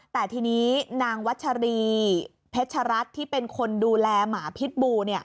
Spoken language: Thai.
แต่ทีนี้นางวัชรีเพชรัตน์ที่เป็นคนดูแลหมาพิษบู